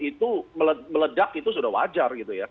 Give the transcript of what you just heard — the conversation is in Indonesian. itu meledak itu sudah wajar gitu ya